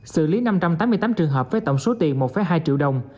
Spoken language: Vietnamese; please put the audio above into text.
xử lý năm trăm tám mươi tám trường hợp với tổng số tiền một hai triệu đồng